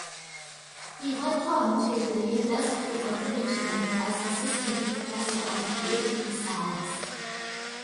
He went on to the University of Michigan as assistant professor of political science.